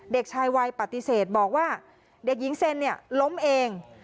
เด็กชายวัยปฏิเสธบอกว่าเด็กหญิงเซ็นเนี่ยล้มเอง